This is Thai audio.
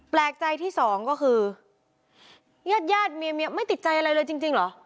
แปลกใจที่สองก็คือญาติญาติเมียไม่ติดใจอะไรเลยจริงเหรอ